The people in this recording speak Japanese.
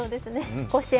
甲子園